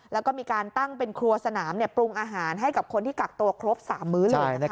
แล้วก็มีการตั้งเป็นครัวสนามปรุงอาหารให้กับคนที่กักตัวครบ๓มื้อเลย